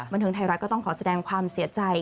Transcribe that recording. บันเทิงไทยรัฐก็ต้องขอแสดงความเสียใจ